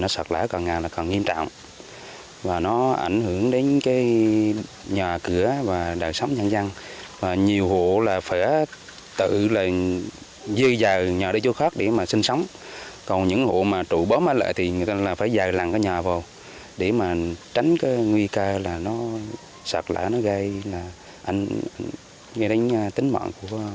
sâu sâu trong khu vực dân cư